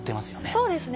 そうですね